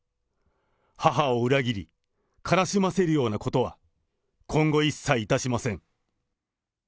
母を裏切り、悲しませるようなことは今後一切いたしません。